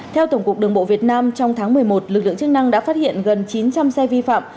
theo tổng cục đường bộ việt nam trong tháng một mươi một lực lượng chức năng đã phát hiện gần chín trăm linh xe vi phạm